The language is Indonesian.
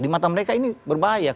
di mata mereka ini berbahaya